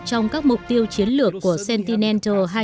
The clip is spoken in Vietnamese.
trong các mục tiêu chiến lược của sentinel hai nghìn bảy mươi bảy